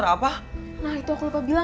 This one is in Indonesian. aku gak spike di masjid